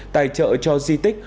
tài trợ cho di tích